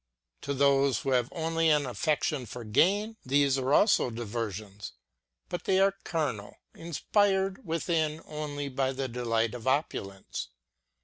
155 To those who have only an affection for gain these are also diversions ; but they are carnal, inspired within only by the delight of opulence.